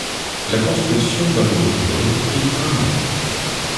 La construction d’un nouveau pylône prit un an.